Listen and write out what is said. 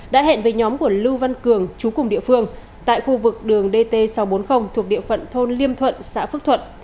đã hẹn với nhóm của lưu văn cường chú cùng địa phương tại khu vực đường dt sáu trăm bốn mươi thuộc địa phận thôn liêm thuận xã phước thuận